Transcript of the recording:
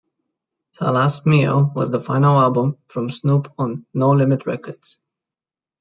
"Tha Last Meal" was the final album from Snoop on No Limit Records.